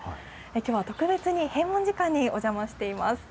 きょうは特別に閉園時間にお邪魔しています。